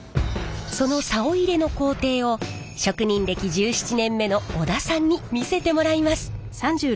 その棹入れの工程を職人歴１７年目の織田さんに見せてもらいます。